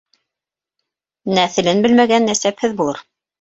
Нәҫелен белмәгән нәсәпһеҙ булыр